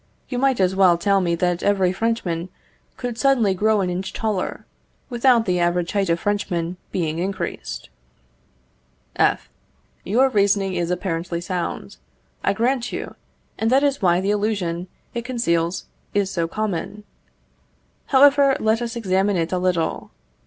You might as well tell me that every Frenchman could suddenly grow an inch taller, without the average height of Frenchmen being increased. F. Your reasoning is apparently sound, I grant you, and that is why the illusion it conceals is so common. However, let us examine it a little.